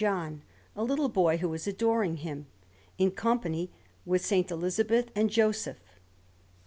John, a little boy, who is adoring Him, in company with S. Elizabeth and Joseph.